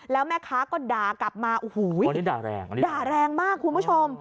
แล้วแม่ค้าก็ด่ากลับมาโอ้โหตอนนี้ด่าแรงด่าแรงมากคุณผู้ชม